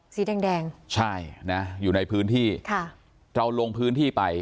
สีแดงแดงใช่นะอยู่ในพื้นที่ค่ะเราลงพื้นที่ไป